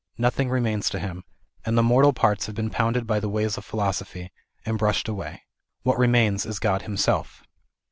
Nothing remains to him. All the mortal parts have been pounded by the ways of phi losophy, and brushed away. What remains is God himself.